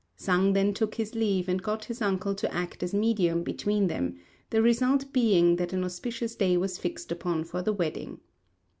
Sang then took his leave, and got his uncle to act as medium between them; the result being that an auspicious day was fixed upon for the wedding.